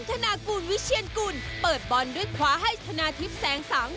ธนากูลวิเชียนกุลเปิดบอลด้วยขวาให้ธนาทิพย์แสงสัง